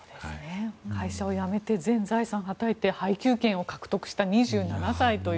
会社を辞めて全財産はたいて配給権を獲得した２７歳という。